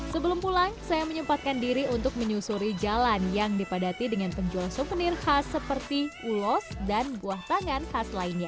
sebelum pulang saya menyempatkan diri untuk menyusuri jalan yang dipadati dengan penjual souvenir khas seperti ulos dan buah tangan khas lainnya